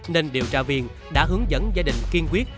nên điều tra viên đã hướng dẫn gia đình kiên quyết